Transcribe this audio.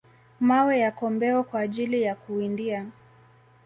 mawe ya kombeo kwa ajili ya kuwindia